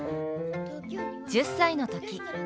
１０歳の時。